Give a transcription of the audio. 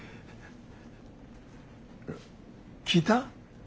聞いた？